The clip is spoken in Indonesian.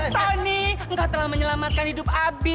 hei tony enggak telah menyelamatkan hidup abi